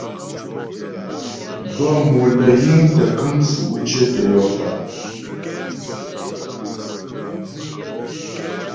Bə́ mòm lə́ yiŋ tə́ kəm tsʉ̌' cyətə yɔ fa'.